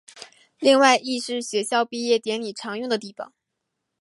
另外亦是学校毕业典礼常用的地方。